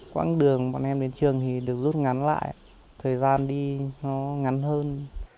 quãng đường bọn em đến trường thì được rút ngắn lại thời gian đi ngắn hơn